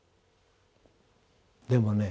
でもね